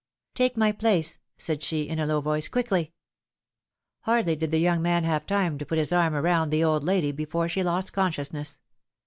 Take my place," said she, in a low voice, quickly!" Hardly did the young man have time to put his arm around the old lady before she lost consciousness.